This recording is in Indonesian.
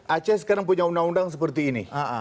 aceh sekarang punya undang undang seperti ini